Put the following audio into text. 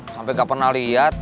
sampai gak pernah liat